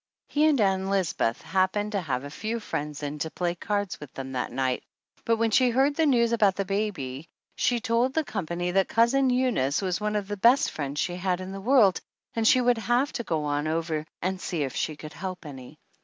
He and Ann Lisbeth happened to have a few friends in to play cards 154 THE ANNALS OF ANN with them that night, but when she heard the news about the baby she told the company that Cousin Eunice was one of the best friends she had in the world and she would have to go on over and see if she could help any.